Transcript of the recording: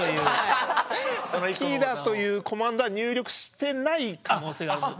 好きだというコマンドは入力してない可能性があります。